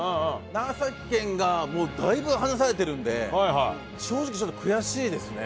長崎県がもうだいぶ離されてるんで、正直、ちょっと悔しいですね。